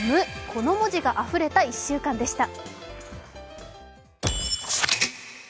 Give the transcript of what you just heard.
この文字があふれた１週間でした。